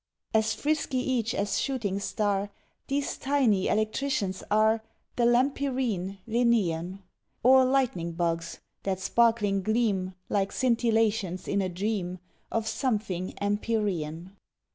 As frisky each as shooting star, These tiny electricians are The Lampyrine Linnæan Or lightning bugs, that sparkling gleam Like scintillations in a dream Of something empyrean.